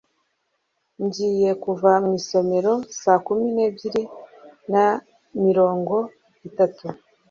Ngiye kuva mu isomero saa kumi n'ebyiri na mirongo itatu.